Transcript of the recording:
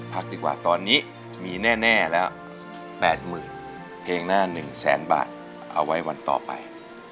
พักดีกว่าตอนนี้มีแน่แล้ว๘๐๐๐เพลงหน้า๑แสนบาทเอาไว้วันต่อไป